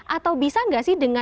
atau bisa nggak sih dengan